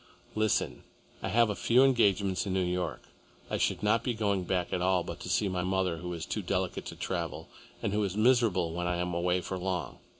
Listen. I have few engagements in New York. I should not be going back at all but to see my mother, who is too delicate to travel, and who is miserable when I am away for long.